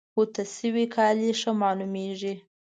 اوتو شوي کالي ښه معلوميږي.